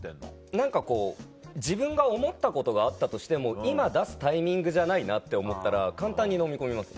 何かこう自分が思ったことがあったとしても今出すタイミングじゃないなって思ったら簡単にのみ込みます。